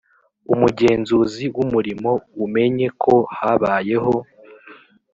Umugenzuzi w umurimo umenye ko habayeho